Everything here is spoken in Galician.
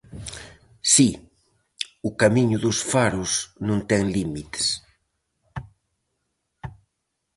Si, o Camiño dos Faros non ten límites.